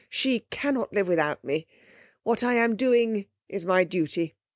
She cannot live without me. What I am doing is my duty.